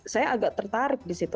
saya agak tertarik di situ